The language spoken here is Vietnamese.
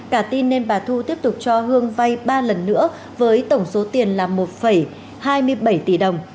cả tin nên bà thu tiếp tục cho hương vay ba lần nữa với tổng số tiền là một hai mươi bảy tỷ đồng